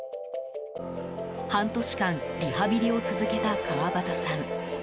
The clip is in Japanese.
半年間リハビリを続けた川端さん。